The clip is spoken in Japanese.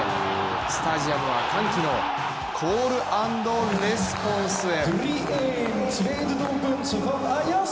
スタジアムは歓喜のコールアンドレスポンスへ。